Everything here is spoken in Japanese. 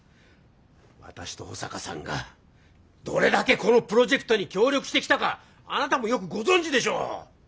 私と保坂さんがどれだけこのプロジェクトに協力してきたかあなたもよくご存じでしょう！